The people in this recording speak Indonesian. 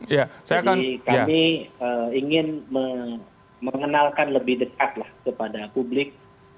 jadi kami ingin mengenalkan lebih dekat kepada publik